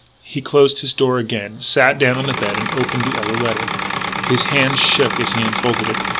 He closed his door again, sat down on the bed and opened the other letter. His hand shook as he unfolded it.